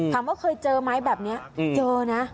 ว่าเคยเจอไหมแบบนี้เจอนะ